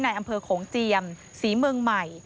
ในอำเภอโขงเจียมศรีเมืองใหม่